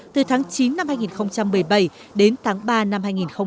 từ tháng chín năm hai nghìn một mươi tám